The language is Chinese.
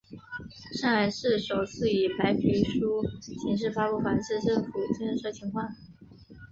上海市首次以白皮书形式发布法治政府建设情况。